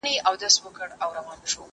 زه پرون د ښوونځي کتابونه مطالعه کوم!.